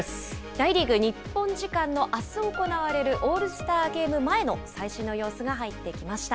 大リーグ、日本時間のあす行われるオールスターゲーム前の最新の様子が入ってきました。